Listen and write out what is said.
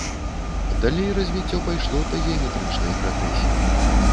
Далей развіццё пайшло па геаметрычнай прагрэсіі.